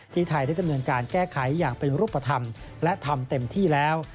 ไทยได้ดำเนินการแก้ไขอย่างเป็นรูปธรรมและทำเต็มที่แล้ว